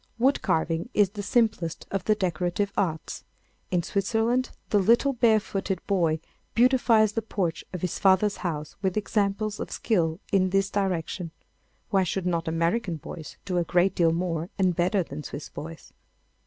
Wood carving is the simplest of the decorative arts. In Switzerland the little barefooted boy beautifies the porch of his father's house with examples of skill in this direction. Why should not American boys do a great deal more and better than Swiss boys?